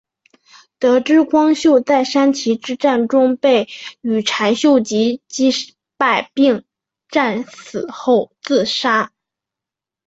在得知光秀在山崎之战中被羽柴秀吉击败并战死后自杀。